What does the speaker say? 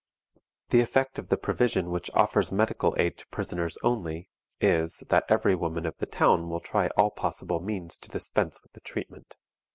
The effect of the provision which offers medical aid to prisoners only is, that every woman of the town will try all possible means to dispense with the treatment.